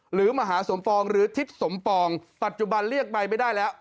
หรือมหาสมปองหรือทิศสมปองปัจจุบันเรียกใบไม่ได้แล้ว